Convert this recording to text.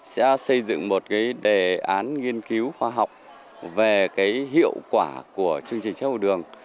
sẽ xây dựng một cái đề án nghiên cứu khoa học về cái hiệu quả của chương trình sữa học đường